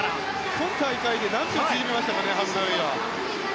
今大会で何秒縮めましたかねハフナウイは。